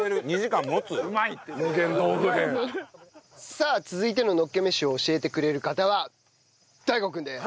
さあ続いてののっけ飯を教えてくれる方はＤＡＩＧＯ君です！